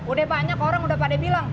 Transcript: udah banyak orang udah pada bilang